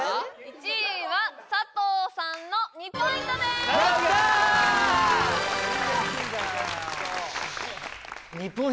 １位は佐藤さんの２ポイントですやったー！よし！